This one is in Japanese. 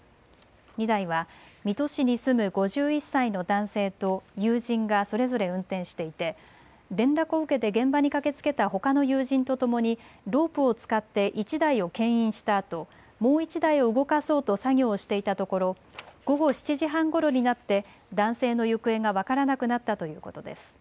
２台は水戸市に住む５１歳の男性と友人がそれぞれ運転していて連絡を受けて現場に駆けつけたほかの友人とともにロープを使って１台をけん引したあともう１台を動かそうと作業をしていたところ午後７時半ごろになって男性の行方が分からなくなったということです。